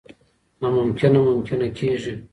نا ممکنه ممکنه کېږي.